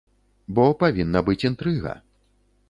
Бо павінна быць інтрыга.